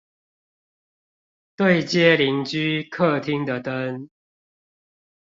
對街鄰居客廳的燈